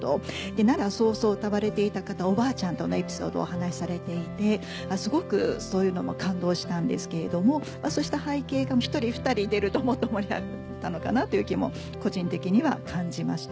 『涙そうそう』を歌われていた方おばあちゃんとのエピソードをお話しされていてすごくそういうのも感動したんですけれどもそうした背景が１人２人出るともっと盛り上がったのかなという気も個人的には感じました。